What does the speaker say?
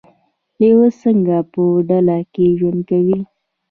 لیوه څنګه په ډله کې ژوند کوي؟